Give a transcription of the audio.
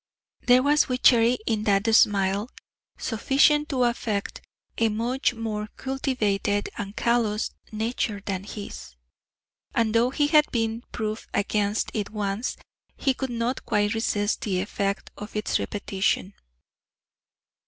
There was witchery in that smile sufficient to affect a much more cultivated and callous nature than his, and though he had been proof against it once he could not quite resist the effect of its repetition.